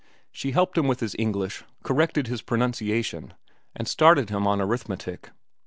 She helped him with his English, corrected his pronunciation, and started him on arithmetic.